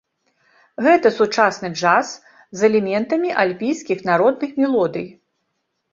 Гэта сучасны джаз з элементамі альпійскіх народных мелодый.